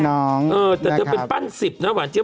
โอ้โฮดูสินี่